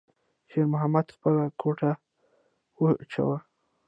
شېرمحمد خپل کوټ واچاوه.